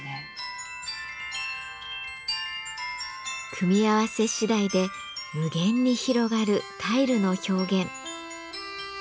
組み合わせ次第で無限に広がるタイルの表現。